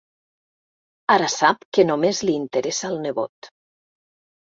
Ara sap que només li interessa el nebot.